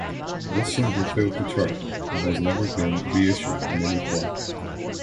This single failed to chart and has never been reissued in any form.